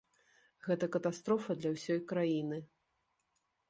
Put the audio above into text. Гэта катастрофа для ўсёй краіны.